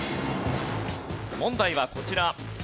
問題はこちら。